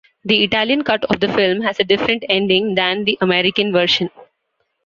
The Italian cut of the film has a different ending than the American version.